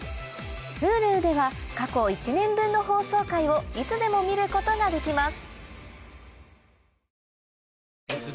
Ｈｕｌｕでは過去１年分の放送回をいつでも見ることができます